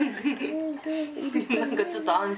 何かちょっと安心。